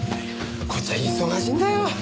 こっちは忙しいんだよ。